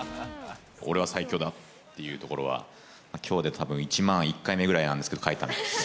オレは最強だ！っていうところは、きょうでたぶん１万１回目ぐらいなんですけど、書いたんです。